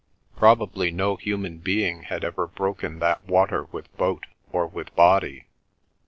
Probably no human being had ever broken that water with boat or with body.